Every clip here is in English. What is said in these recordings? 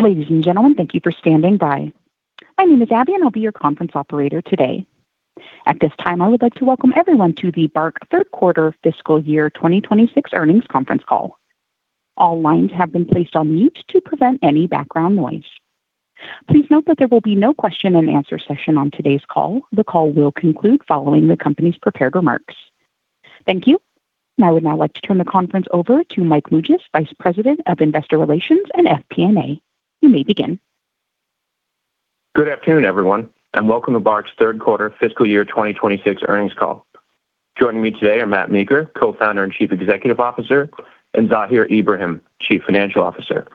Ladies, and gentlemen, thank you for standing by. My name is Abby, and I'll be your conference Operator today. At this time, I would like to welcome everyone to the BARK Third Quarter Fiscal Year 2026 Earnings Conference Call. All lines have been placed on mute to prevent any background noise. Please note that there will be no question-and-answer session on today's call. The call will conclude following the company's prepared remarks. Thank you. I would now like to turn the conference over to Mike Mougias, Vice President of Investor Relations and FP&A. You may begin. Good afternoon, everyone, and welcome to BARK's Third Quarter Fiscal Year 2026 Earnings Call. Joining me today are Matt Meeker, Co-Founder and Chief Executive Officer, and Zahir Ibrahim, Chief Financial Officer.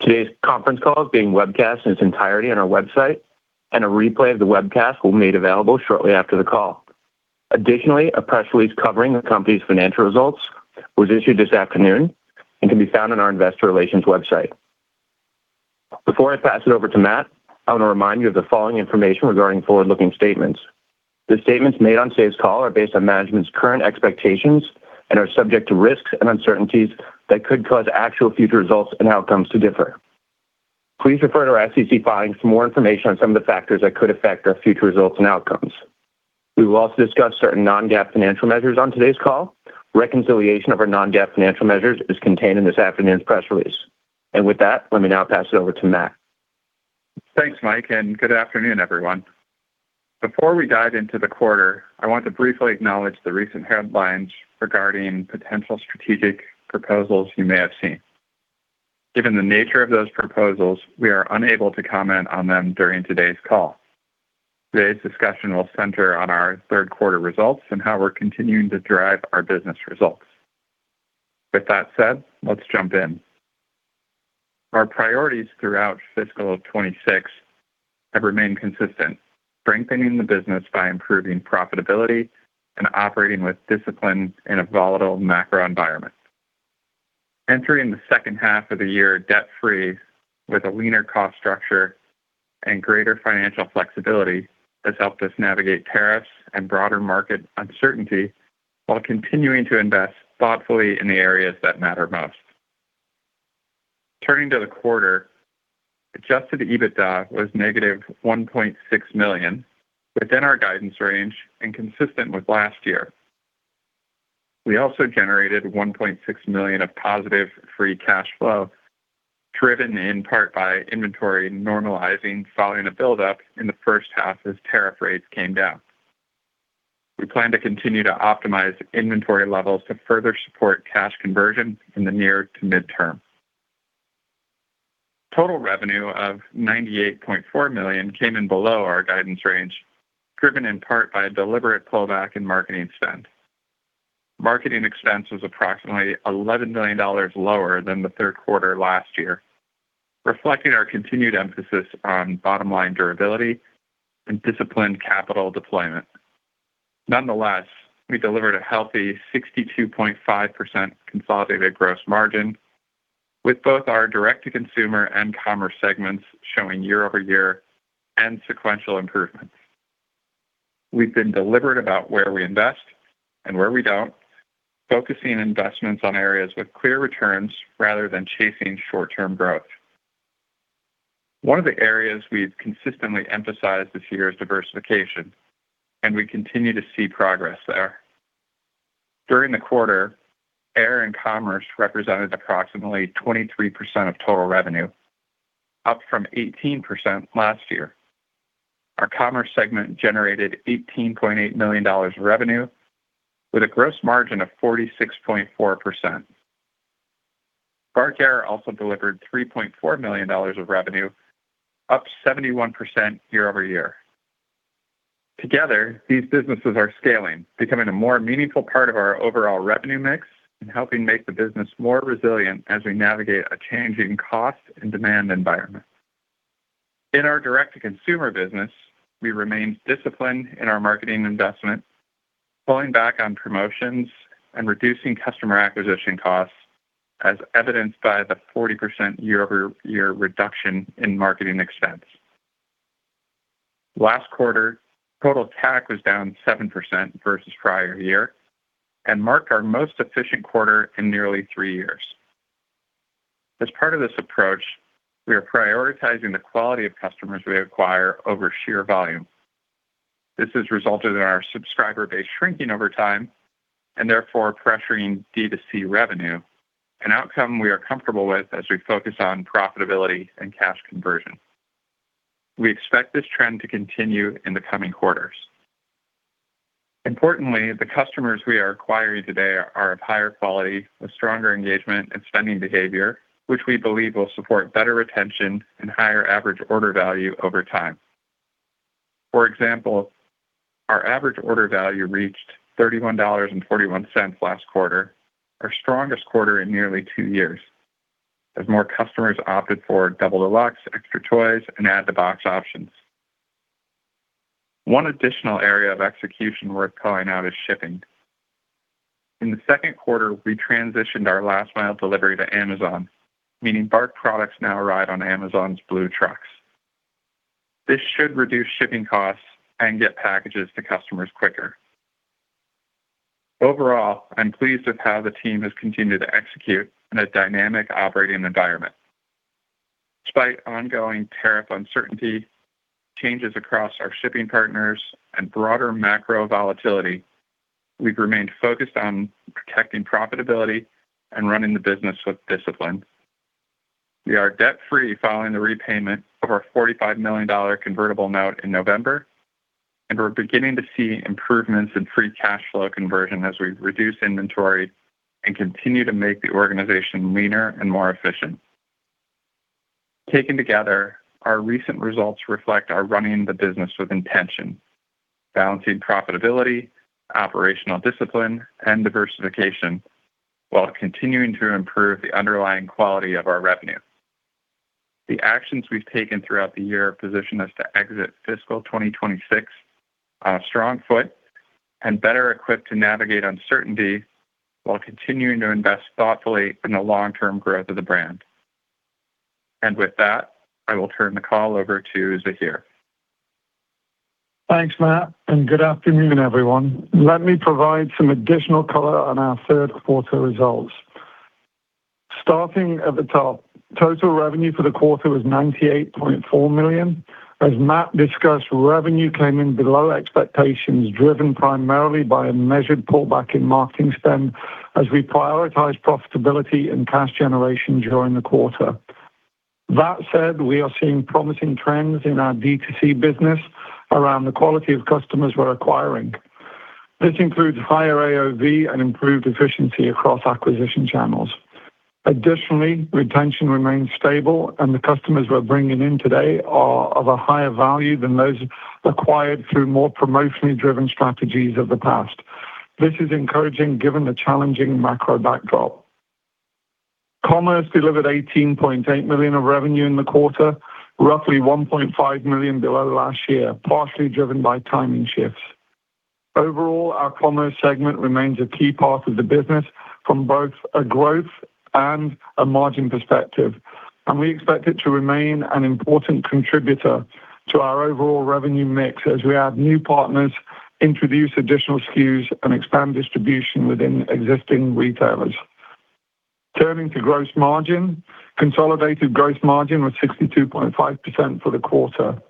Today's conference call is being webcast in its entirety on our website, and a replay of the webcast will be made available shortly after the call. Additionally, a press release covering the company's financial results was issued this afternoon and can be found on our Investor Relations website. Before I pass it over to Matt, I want to remind you of the following information regarding forward-looking statements. The statements made on today's call are based on management's current expectations and are subject to risks and uncertainties that could cause actual future results and outcomes to differ. Please refer to our SEC filings for more information on some of the factors that could affect our future results and outcomes. We will also discuss certain Non-GAAP financial measures on today's call. Reconciliation of our Non-GAAP financial measures is contained in this afternoon's press release. With that, let me now pass it over to Matt. Thanks, Mike, and good afternoon, everyone. Before we dive into the quarter, I want to briefly acknowledge the recent headlines regarding potential strategic proposals you may have seen. Given the nature of those proposals, we are unable to comment on them during today's call. Today's discussion will center on our third quarter results and how we're continuing to drive our business results. With that said, let's jump in. Our priorities throughout fiscal 2026 have remained consistent: strengthening the business by improving profitability and operating with discipline in a volatile macro environment. Entering the second half of the year debt-free with a leaner cost structure and greater financial flexibility has helped us navigate tariffs and broader market uncertainty while continuing to invest thoughtfully in the areas that matter most. Turning to the quarter, Adjusted EBITDA was -$1.6 million, within our guidance range and consistent with last year. We also generated $1.6 million of positive Free Cash Flow, driven in part by inventory normalizing following a buildup in the first half as tariff rates came down. We plan to continue to optimize inventory levels to further support cash conversion in the near to mid-term. Total revenue of $98.4 million came in below our guidance range, driven in part by a deliberate pullback in marketing spend. Marketing expense was approximately $11 million lower than the third quarter last year, reflecting our continued emphasis on bottom-line durability and disciplined capital deployment. Nonetheless, we delivered a healthy 62.5% consolidated Gross Margin, with both our Direct-to-Consumer and Commerce segments showing year-over-year and sequential improvements. We've been deliberate about where we invest and where we don't, focusing investments on areas with clear returns rather than chasing short-term growth. One of the areas we've consistently emphasized this year is diversification, and we continue to see progress there. During the quarter, BARK Air and Commerce represented approximately 23% of total revenue, up from 18% last year. Our Commerce segment generated $18.8 million of revenue, with a gross margin of 46.4%. BARK Air also delivered $3.4 million of revenue, up 71% year-over-year. Together, these businesses are scaling, becoming a more meaningful part of our overall revenue mix and helping make the business more resilient as we navigate a changing cost and demand environment. In our Direct-to-Consumer business, we remained disciplined in our marketing investment, pulling back on promotions and reducing customer acquisition costs, as evidenced by the 40% year-over-year reduction in marketing expense. Last quarter, total CAC was down 7% versus prior year and marked our most efficient quarter in nearly three years. As part of this approach, we are prioritizing the quality of customers we acquire over sheer volume. This has resulted in our subscriber base shrinking over time and therefore pressuring D2C revenue, an outcome we are comfortable with as we focus on profitability and cash conversion. We expect this trend to continue in the coming quarters. Importantly, the customers we are acquiring today are of higher quality, with stronger engagement and spending behavior, which we believe will support better retention and higher average order value over time. For example, our average order value reached $31.41 last quarter, our strongest quarter in nearly two years, as more customers opted for Double Deluxe, extra toys, and Add-to-Box options. One additional area of execution worth calling out is shipping. In the second quarter, we transitioned our last-mile delivery to Amazon, meaning BARK products now arrive on Amazon's blue trucks. This should reduce shipping costs and get packages to customers quicker. Overall, I'm pleased with how the team has continued to execute in a dynamic operating environment. Despite ongoing tariff uncertainty, changes across our shipping partners, and broader macro volatility, we've remained focused on protecting profitability and running the business with discipline. We are debt-free following the repayment of our $45 million convertible note in November, and we're beginning to see improvements in free cash flow conversion as we reduce inventory and continue to make the organization leaner and more efficient. Taken together, our recent results reflect our running the business with intention: balancing profitability, operational discipline, and diversification while continuing to improve the underlying quality of our revenue. The actions we've taken throughout the year have positioned us to exit fiscal 2026 on a strong foot and better equipped to navigate uncertainty while continuing to invest thoughtfully in the long-term growth of the brand. With that, I will turn the call over to Zahir. Thanks, Matt, and good afternoon, everyone. Let me provide some additional color on our third quarter results. Starting at the top, total revenue for the quarter was $98.4 million. As Matt discussed, revenue came in below expectations, driven primarily by a measured pullback in marketing spend as we prioritized profitability and cash generation during the quarter. That said, we are seeing promising trends in our D2C business around the quality of customers we're acquiring. This includes higher AOV and improved efficiency across acquisition channels. Additionally, retention remains stable, and the customers we're bringing in today are of a higher value than those acquired through more promotionally driven strategies of the past. This is encouraging given the challenging macro backdrop. Commerce delivered $18.8 million of revenue in the quarter, roughly $1.5 million below last year, partially driven by timing shifts. Overall, our Commerce segment remains a key part of the business from both a growth and a margin perspective, and we expect it to remain an important contributor to our overall revenue mix as we add new partners, introduce additional SKUs, and expand distribution within existing retailers. Turning to gross margin, consolidated gross margin was 62.5% for the quarter.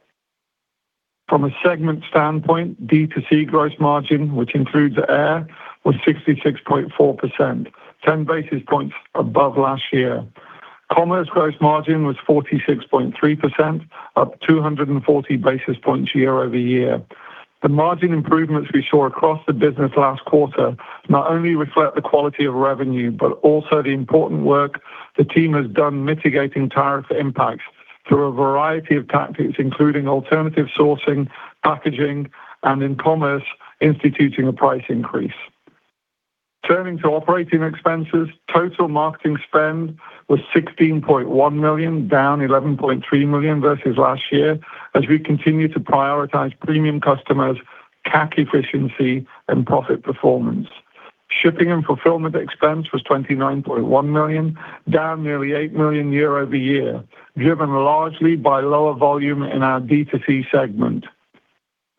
From a segment standpoint, D2C gross margin, which includes air, was 66.4%, 10 basis points above last year. Commerce gross margin was 46.3%, up 240 basis points year-over-year. The margin improvements we saw across the business last quarter not only reflect the quality of revenue but also the important work the team has done mitigating tariff impacts through a variety of tactics, including alternative sourcing, packaging, and in Commerce instituting a price increase. Turning to operating expenses, total marketing spend was $16.1 million, down $11.3 million versus last year, as we continue to prioritize premium customers, CAC efficiency, and profit performance. Shipping and fulfillment expense was $29.1 million, down nearly $8 million year-over-year, driven largely by lower volume in our D2C segment.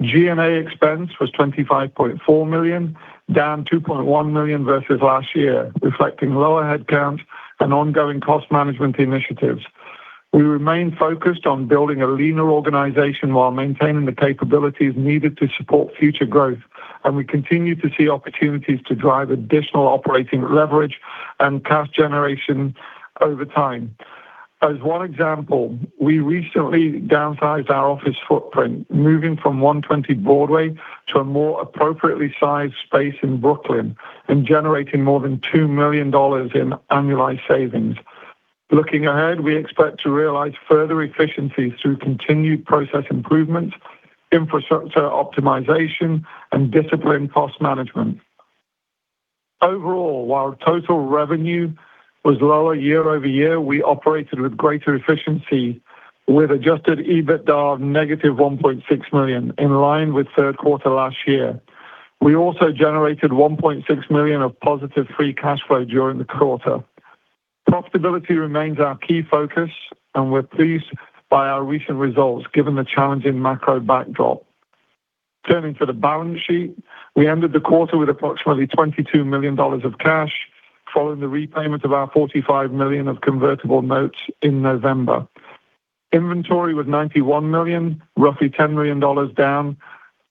G&A expense was $25.4 million, down $2.1 million versus last year, reflecting lower headcount and ongoing cost management initiatives. We remain focused on building a leaner organization while maintaining the capabilities needed to support future growth, and we continue to see opportunities to drive additional operating leverage and cash generation over time. As one example, we recently downsized our office footprint, moving from 120 Broadway to a more appropriately sized space in Brooklyn and generating more than $2 million in annualized savings. Looking ahead, we expect to realize further efficiencies through continued process improvements, infrastructure optimization, and disciplined cost management. Overall, while total revenue was lower year-over-year, we operated with greater efficiency, with Adjusted EBITDA of -$1.6 million, in line with third quarter last year. We also generated $1.6 million of positive Free Cash Flow during the quarter. Profitability remains our key focus, and we're pleased by our recent results given the challenging macro backdrop. Turning to the balance sheet, we ended the quarter with approximately $22 million of cash following the repayment of our $45 million of convertible notes in November. Inventory was $91 million, roughly $10 million down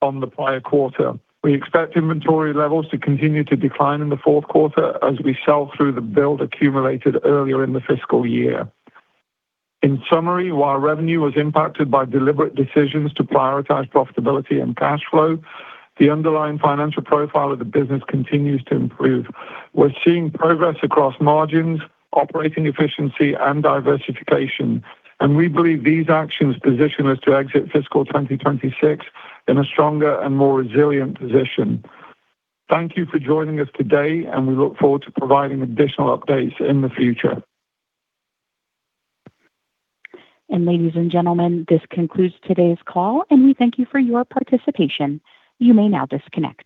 on the prior quarter. We expect inventory levels to continue to decline in the fourth quarter as we sell through the build accumulated earlier in the fiscal year. In summary, while revenue was impacted by deliberate decisions to prioritize profitability and cash flow, the underlying financial profile of the business continues to improve. We're seeing progress across margins, operating efficiency, and diversification, and we believe these actions position us to exit fiscal 2026 in a stronger and more resilient position. Thank you for joining us today, and we look forward to providing additional updates in the future. Ladies, and gentlemen, this concludes today's call, and we thank you for your participation. You may now disconnect.